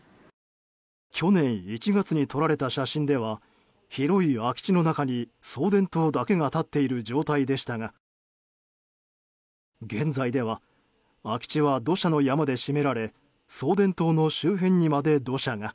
去年１月に撮られた写真では広い空き地の中に送電塔だけが立っている状態でしたが現在では空き地は土砂の山で占められ送電塔の周辺にまで土砂が。